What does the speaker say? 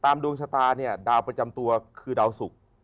ดวงชะตาเนี่ยดาวประจำตัวคือดาวสุก